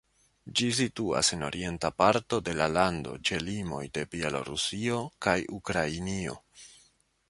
Ĝi situas en orienta parto de la lando ĉe limoj de Belorusio kaj Ukrainio.